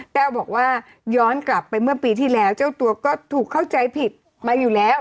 แต้วบอกว่าย้อนกลับไปเมื่อปีที่แล้วเจ้าตัวก็ถูกเข้าใจผิดมาอยู่แล้ว